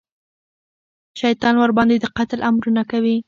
شیطان ورباندې د قتل امرونه کوي.